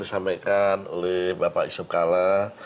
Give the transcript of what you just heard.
disampaikan oleh bapak yusuf kalla